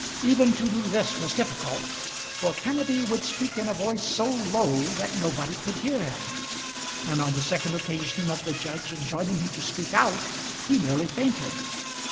Even to do this was difficult, for Kenneby would speak in a voice so low that nobody could hear him; and on the second occasion of the judge enjoining him to speak out, he nearly fainted.